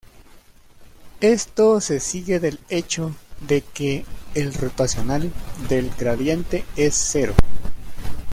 Esto se sigue del hecho de que el rotacional del gradiente es cero.